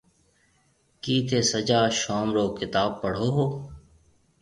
ڪِي ٿَي سجا شووم رو ڪتاب پڙهون هون؟